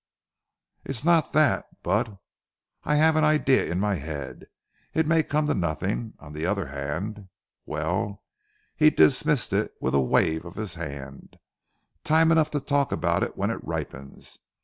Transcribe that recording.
"It's not that; but I have an idea in my head. It may come to nothing. On the other hand well," he dismissed it with a wave of his hand, "time enough to talk about it when it ripens.